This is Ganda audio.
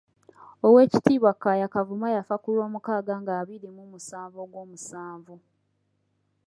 Owekitiibwa Kaaya Kavuma yafa ku lwomukaaga nga abiri mu musanvu Ogwomusanvu.